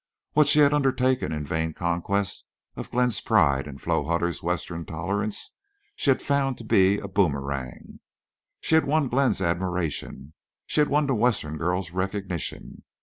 What she had undertaken in vain conquest of Glenn's pride and Flo Hutter's Western tolerance she had found to be a boomerang. She had won Glenn's admiration; she had won the Western girl's recognition.